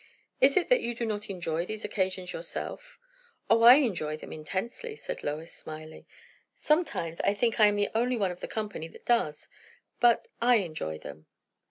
Is it that you do not enjoy these occasions yourself?" "O, I enjoy them intensely," said Lois, smiling. "Sometimes I think I am the only one of the company that does; but I enjoy them."